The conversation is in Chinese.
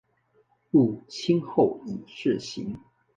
入清后以字行。